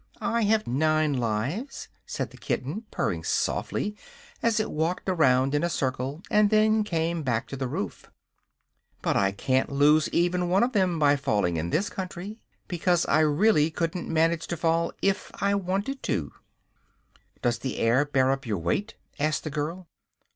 "I have nine lives," said the kitten, purring softly as it walked around in a circle and then came back to the roof; "but I can't lose even one of them by falling in this country, because I really couldn't manage to fall if I wanted to." "Does the air bear up your weight?" asked the girl.